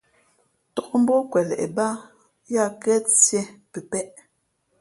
Tōk mbók kweleʼ bāā yā ghén siē pəpēʼ.